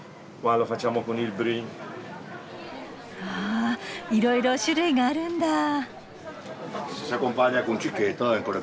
わいろいろ種類があるんだ。